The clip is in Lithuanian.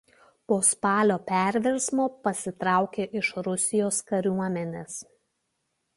Po Spalio perversmo pasitraukė iš Rusijos kariuomenės.